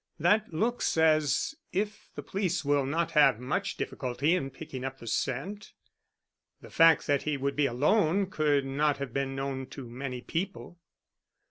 "That looks as if the police will not have much difficulty in picking up the scent. The fact that he would be alone could not have been known to many people."